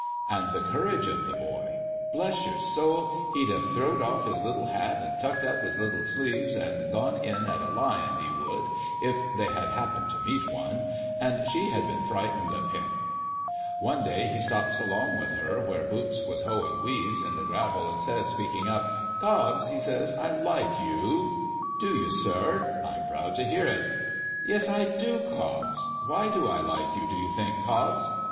And the courage of the boy ! Bless your soul, he'd have throwed off his little hat, and tucked up his little sleeves, and gone in at a Lion, he would, if they had happened to meet one, and she had been frightened of him. One day he stops, along with her, where Boots was hoeing weeds in the gravel, and says, speaking up, ' Cobbs,' he says, ' I like yoii.^ ' Do you, sir ? I'm proud to hear it.' ' Yes, I do, Cobbs. Why do I like you, do you think, Cobbs